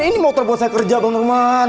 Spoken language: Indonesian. ini motor buat saya kerja bang norman